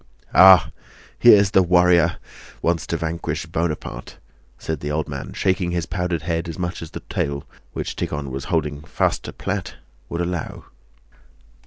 "Ah! here's the warrior! Wants to vanquish Buonaparte?" said the old man, shaking his powdered head as much as the tail, which Tíkhon was holding fast to plait, would allow.